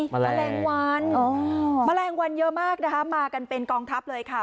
แมลงวันแมลงวันเยอะมากนะคะมากันเป็นกองทัพเลยค่ะ